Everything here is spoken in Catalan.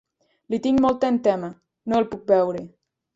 Li tinc molta entema; no el puc veure.